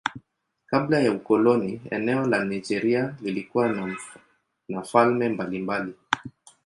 Kabla ya ukoloni eneo la Nigeria lilikuwa na falme mbalimbali.